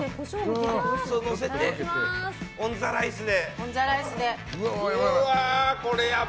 オン・ザ・ライスで。